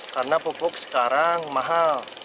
karena pupuk sekarang mahal